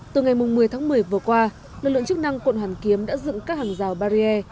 từ ngày một mươi tháng một mươi vừa qua lực lượng chức năng quận hoàn kiếm đã dựng các hàng rào barrier